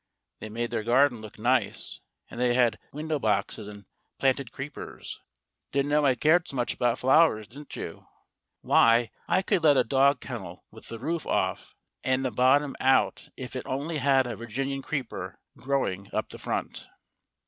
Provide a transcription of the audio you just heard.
They made their garden look nice, and they had window boxes, and planted creepers. (Didn't know I cared so much about flowers, didn't you ? Why, I could let a dog kennel with the roof off and the bottom out if it only had a Virginian creeper growing up the front.)